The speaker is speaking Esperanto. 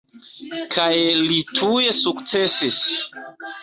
Kaj li tuj sukcesis.